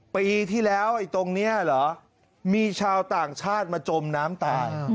ปีที่แล้วไอ้ตรงนี้เหรอมีชาวต่างชาติมาจมน้ำตาย